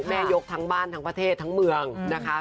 แม่ยกทั้งบ้านทั้งประเทศทั้งเมืองนะคะ